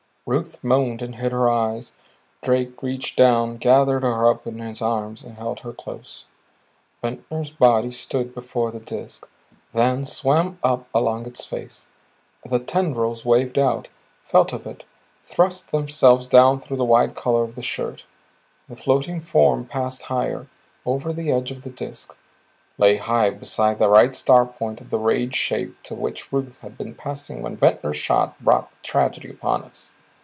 Ruth moaned and hid her eyes; Drake reached down, gathered her up in his arms, held her close. Ventnor's body stood before the Disk, then swam up along its face. The tendrils waved out, felt of it, thrust themselves down through the wide collar of the shirt. The floating form passed higher, over the edge of the Disk; lay high beside the right star point of the rayed shape to which Ruth had been passing when Ventnor's shot brought the tragedy upon us.